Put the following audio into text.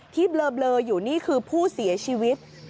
เบลออยู่นี่คือผู้เสียชีวิต